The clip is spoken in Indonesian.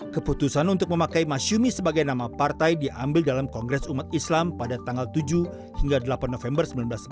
keputusan untuk memakai masyumi sebagai nama partai diambil dalam kongres umat islam pada tanggal tujuh hingga delapan november seribu sembilan ratus empat puluh